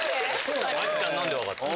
愛梨ちゃん何で分かったの？